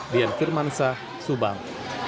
dian firmansa subang